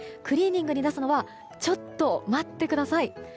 クリーニングに出すのはちょっと待ってください。